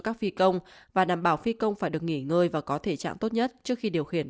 các phi công và đảm bảo phi công phải được nghỉ ngơi và có thể trạng tốt nhất trước khi điều khiển